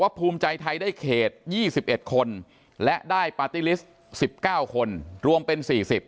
ภูมิใจไทยได้เขต๒๑คนและได้ปาร์ตี้ลิสต์๑๙คนรวมเป็น๔๐